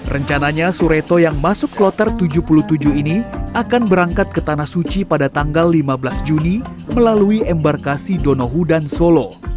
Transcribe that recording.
rencananya sureto yang masuk kloter tujuh puluh tujuh ini akan berangkat ke tanah suci pada tanggal lima belas juni melalui embarkasi donohu dan solo